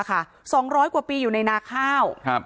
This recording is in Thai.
๒๐๐กว่าปีอยู่ในนาข้าว